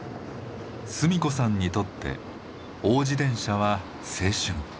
純子さんにとって王子電車は青春。